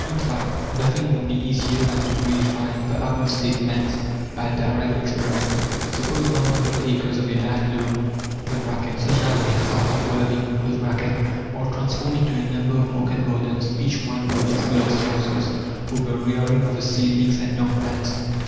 In fact, nothing would be easier than to verify the above statements by direct experiment. Suppose 100 acres of a light loam (such as we have at Worthing) are transformed into a number of market gardens, each one with its glass houses for the rearing of the seedlings and young plants.